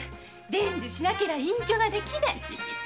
伝授しなけりゃ隠居ができねえ。